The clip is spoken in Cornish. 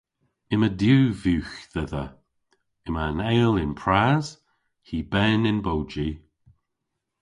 Yma diw vugh dhedha. Yma an eyl y'n pras, hy ben y'n bowji.